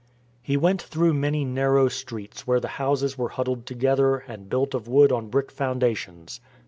He went through many narrow streets where the houses were huddled together and built of wood on brick foundations.